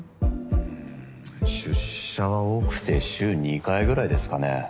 うん出社は多くて週２回ぐらいですかね。